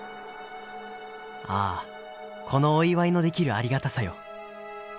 ああこのお祝いのできるありがたさよ。